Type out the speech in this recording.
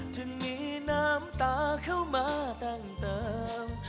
จึงมีน้ำตาเข้ามาตั้งเติม